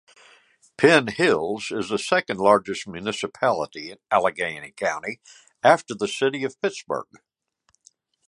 Penn Hills is the second-largest municipality in Allegheny County, after the city of Pittsburgh.